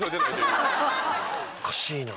おかしいな。